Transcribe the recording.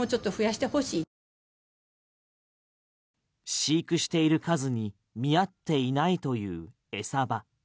飼育している数に見合っていないという餌場。